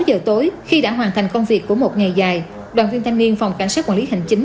sáu giờ tối khi đã hoàn thành công việc của một ngày dài đoàn viên thanh niên phòng cảnh sát quản lý hành chính